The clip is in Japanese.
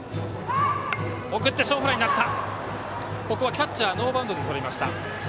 キャッチャーノーバウンドでとりました。